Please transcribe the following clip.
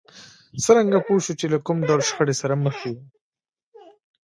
څرنګه پوه شو چې له کوم ډول شخړې سره مخ يو؟